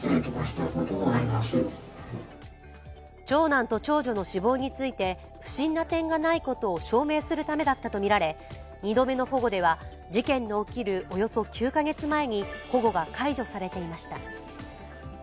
長男と長女の死亡について不審な点がないことを証明するためだったとみられ２度目の保護では事件の起きるおよそ９カ月前に保護が解除されていました。